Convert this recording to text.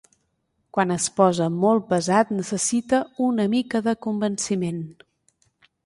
Quan es posa molt pesat necessita una mica de convenciment.